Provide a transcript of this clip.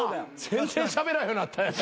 全然しゃべらんようなったやん。